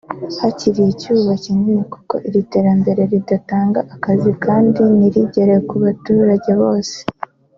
hakiri icyuho kinini kuko iri terambere ridatanga akazi kandi ntirigere ku baturage bose